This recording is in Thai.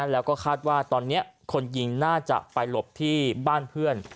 แล้วก็คาดว่าตอนนี้คนยิงน่าจะไปหลบที่บ้านเพื่อน